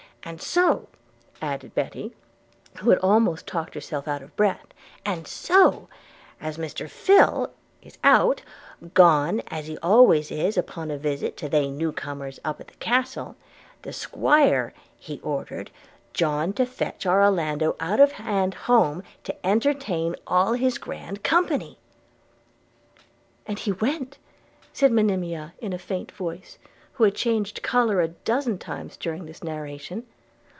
And so,' added Betty, who had almost talked herself out of breath, 'and so, as Mr Phil. is out, gone as he always is upon a visit to they newcomers up at Castle, the 'Squire he ordered John to fetch our Orlando out of hand home to entertain all this grand company.' 'And he went!' said Monimia in a faint voice, who had changed colour a dozen times during this narration.